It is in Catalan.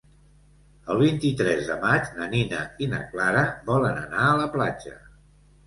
El vint-i-tres de maig na Nina i na Clara volen anar a la platja.